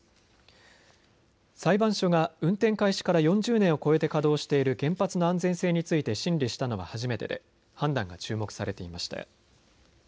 裁判所が運転開始から４０年を超えて稼働している原発の安全性について審理したのは初めてで判断が注目されていました。